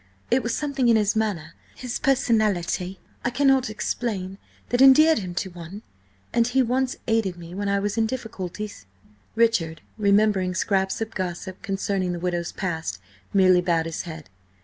It was something in his manner, his personality–I cannot explain–that endeared him to one. And he once–aided me–when I was in difficulties." Richard, remembering scraps of gossip concerning the widow's past, merely bowed his head.